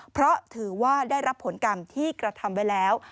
เพราะถือว่าได้รับผลกรรมที่กระทำไว้แล้ว